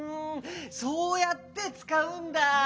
そうやってつかうんだ。